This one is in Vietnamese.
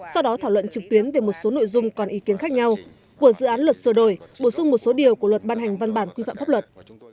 sau đó thảo luận trực tuyến về một số nội dung còn ý kiến khác nhau của dự án luật sửa đổi bổ sung một số điều của luật ban hành văn bản quy phạm pháp luật